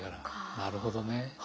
なるほどね。